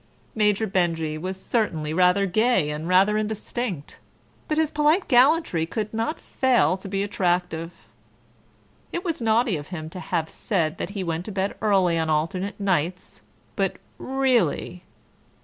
Major Benjy was certainly rather gay and rather indistinct, but his polite gallantry could not fail to be attractive. It was naughty of him to have said that he went to bed early on alternate nights, but really